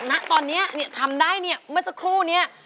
น่ะตอนนี้ทำได้เหมือนสุดคู่นี่